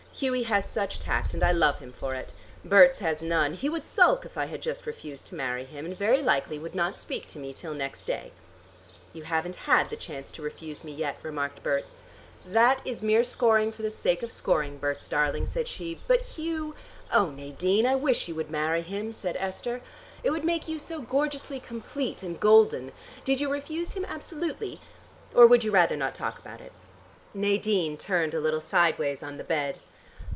"Hughie has such tact, and I love him for it. Berts has none: he would sulk if I had just refused to marry him and very likely would not speak to me till next day." "You haven't had the chance to refuse me yet," remarked Berts. "That is mere scoring for the sake of scoring, Berts darling," said she. "But Hugh " "O Nadine, I wish you would marry him," said Esther. "It would make you so gorgeously complete and golden. Did you refuse him absolutely? Or would you rather not talk about it?" Nadine turned a little sideways on the bed.